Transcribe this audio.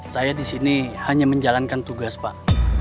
saya di sini hanya menjalankan tugas pak